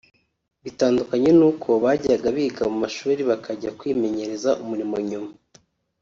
bitandukanye n’uko bajyaga biga mu mashuri bakajya kwimenyereza umurimo nyuma